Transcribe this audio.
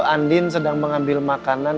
andin sedang mengambil makanan